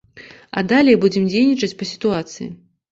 А далей будзем дзейнічаць па сітуацыі.